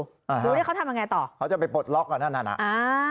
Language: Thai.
ตรงนี้เขาทำยังไงต่อเขาจะไปปลดล็อกก่อนนั่นน่ะอ่า